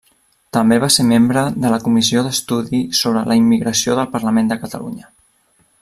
També va ser membre de la Comissió d'Estudi sobre la Immigració del Parlament de Catalunya.